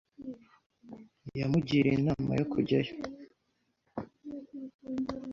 Yamugiriye inama yo kujyayo.